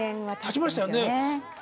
たちましたよね。